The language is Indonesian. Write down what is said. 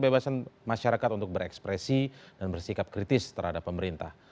kebebasan masyarakat untuk berekspresi dan bersikap kritis terhadap pemerintah